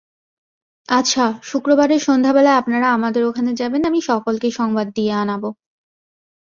আচ্ছা, শুক্রবারের সন্ধ্যাবেলায় আপনারা আমাদের ওখানে যাবেন, আমি সকলকে সংবাদ দিয়ে আনাব।